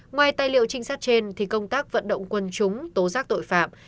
ngoài tài liệu trinh sát trên thì công tác vận động quân chúng tố giác tội phạm